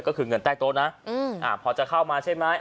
ก็คือเงินแตกโต๊ะนะอื้ออ่าพอจะเข้ามาใช่ไหม